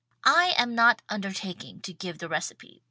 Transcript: I am not undertaking to give the recipe.